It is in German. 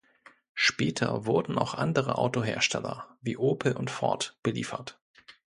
Später wurden auch andere Autohersteller, wie Opel und Ford, beliefert.